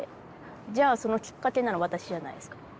じゃあそのきっかけなの私じゃないですか。